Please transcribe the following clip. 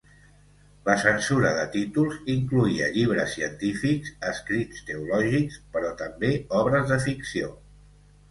La censura de títols incloïa llibres científics, escrits teològics, però també obres de ficció.